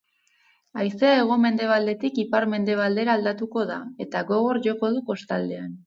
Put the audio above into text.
Haizea hego-mendebaldetik ipar-mendebaldera aldatuko da, eta gogor joko du kostaldean.